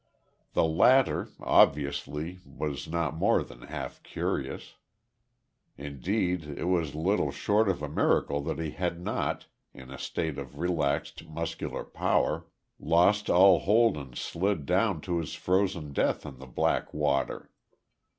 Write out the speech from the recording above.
The latter, obviously, was not more than half conscious, indeed it was little short of a miracle that he had not, in a state of relaxed muscular power, lost all hold and slid down to his frozen death in the black water.